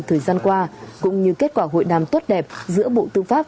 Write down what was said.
thời gian qua cũng như kết quả hội đàm tốt đẹp giữa bộ tư pháp